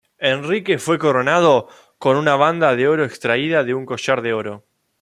Enrique fue coronado con una banda de oro extraída de un collar de oro.